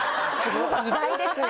意外ですね。